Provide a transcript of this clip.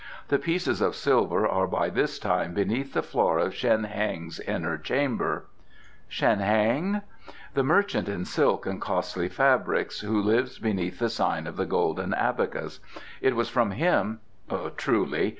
The pieces of silver are by this time beneath the floor of Shen Heng's inner chamber." "Shen Heng?" "The merchant in silk and costly fabrics, who lives beneath the sign of the Golden Abacus. It was from him " "Truly.